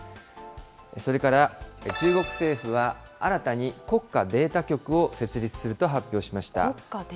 それから、中国政府は新たに国家データ局を設立すると発表しました。